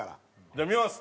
じゃあ見ます！